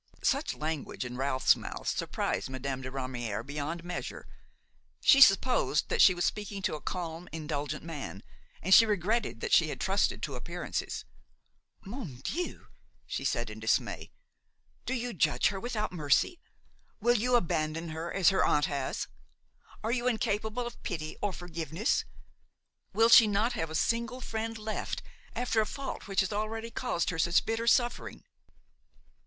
Such language in Ralph's mouth surprised Madame de Ramière beyond measure; she supposed that she was speaking to a calm, indulgent man, and she regretted that she had trusted to appearances. "Mon Dieu! " she said in dismay, "do you judge her without mercy? will you abandon her as her aunt has? Are you incapable of pity or forgiveness? Will she not have a single friend left after a fault which has already caused her such bitter suffering?"